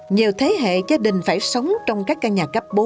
nhiều thế hệ gia đình phải sống trong các căn nhà cấp bốn